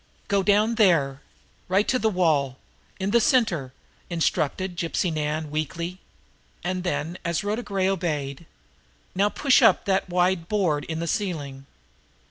"Go down there. Right to the wall in the center," instructed Gypsy Nan weakly. And then, as Rhoda Gray obeyed: "Now push up on that wide board in the ceiling."